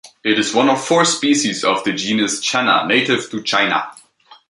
It is one of four species of the genus "Channa" native to China.